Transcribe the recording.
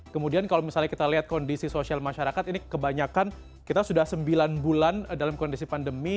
kemudian kalau misalnya kita lihat kondisi sosial masyarakat ini kebanyakan kita sudah sembilan bulan dalam kondisi pandemi